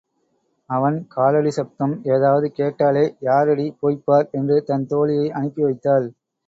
அவன் காலடி சப்தம் ஏதாவது கேட்டாலே யாரடி போய்ப்பார் என்று தன் தோழியை அனுப்பிவைத்தாள்.